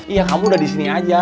iya kamu udah disini aja